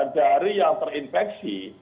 dari yang terinfeksi